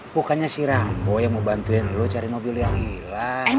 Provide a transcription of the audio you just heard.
bukannya si rambo yang mau bantuin kamu cari mobil yang hilang